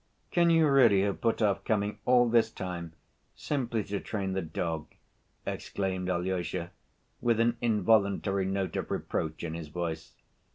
"Can you really have put off coming all this time simply to train the dog?" exclaimed Alyosha, with an involuntary note of reproach in his voice.